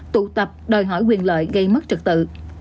tụ tập đòi hỏi quyền lợi gây mất trật tự